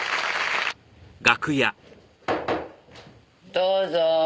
どうぞ。